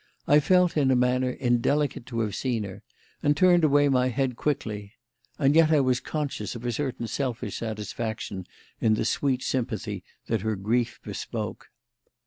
I felt it, in a manner, indelicate to have seen her, and turned away my head quickly; and yet I was conscious of a certain selfish satisfaction in the sweet sympathy that her grief bespoke.